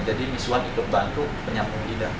jadi miss huang itu bantu penyambung lidah